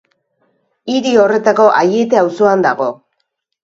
Hiri horretako Aiete auzoan dago.